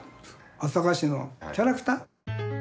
朝霞市のキャラクター。